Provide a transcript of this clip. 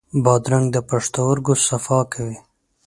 بادرنګ د پښتورګو صفا کوي.